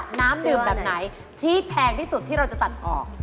น้ำดื่มแบบไหนที่แพงที่สุดที่เราจะตัดออก